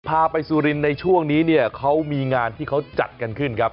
พาไปสุรินทร์ในช่วงนี้เนี่ยเขามีงานที่เขาจัดกันขึ้นครับ